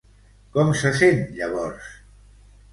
Com se sent, llavors?